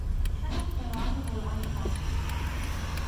پس از قرائت قرآن شام خورد.